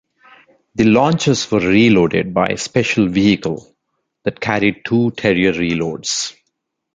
The launchers were reloaded by a special vehicle that carried two Terrier reloads.